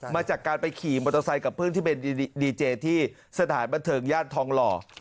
มาจากการไปขี่มอเตอร์ไซค์กับเพื่อนที่เป็นดีเจที่สถานบันเทิงย่านทองหล่อ